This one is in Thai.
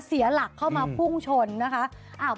เสียหลักเข้ามาพุ่งชนนะคะ